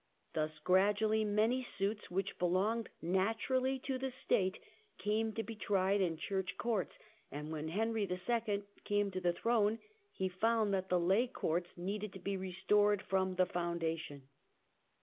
Thus gradually many suits which belonged naturally to the state came to be tried m church courts, and when Henry II. came to the throne he found that the lay courts needed to be restored from the foundation.